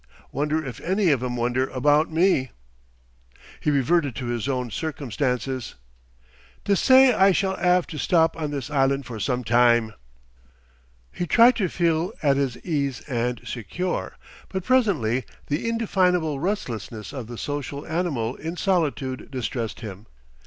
Wonder if any of 'em wonder about me?" He reverted to his own circumstances. "Dessay I shall 'ave to stop on this island for some time." He tried to feel at his ease and secure, but presently the indefinable restlessness of the social animal in solitude distressed him.